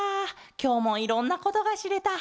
きょうもいろんなことがしれた。